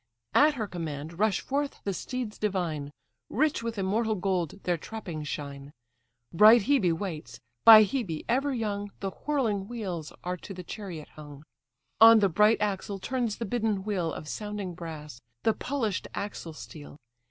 At her command rush forth the steeds divine; Rich with immortal gold their trappings shine. Bright Hebe waits; by Hebe, ever young, The whirling wheels are to the chariot hung. On the bright axle turns the bidden wheel Of sounding brass; the polished axle steel.